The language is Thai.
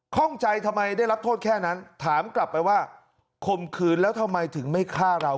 ข้องใจทำไมได้รับโทษแค่นั้นถามกลับไปว่าข่มขืนแล้วทำไมถึงไม่ฆ่าเรา